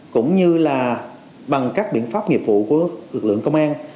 cũng như là bằng các biện pháp nghiệp vụ của lực lượng công an